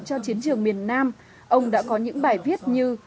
cho chiến trường miền nam ông đã có những bài viết như